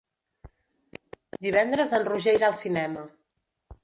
Divendres en Roger irà al cinema.